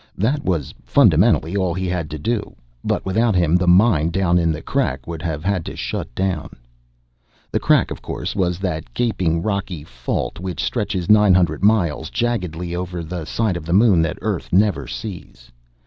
That was fundamentally all he had to do. But without him the mine down in the Crack would have had to shut down. The Crack, of course, was that gaping rocky fault which stretches nine hundred miles, jaggedly, over the side of the Moon that Earth never sees.